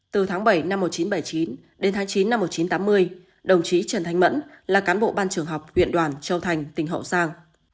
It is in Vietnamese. từ tháng bảy năm một nghìn chín trăm bảy mươi chín đến tháng chín năm một nghìn chín trăm tám mươi đồng chí trần thanh mẫn là cán bộ ban trường học huyện đoàn châu thành tỉnh hậu giang